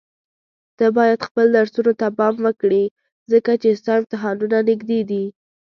ته بايد خپل درسونو ته پام وکړي ځکه چي ستا امتحانونه نيږدي دي.